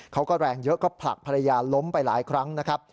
เขาก็แรงเยอะก็ผลักภรรยาล้มไปหลายครั้งนะครับ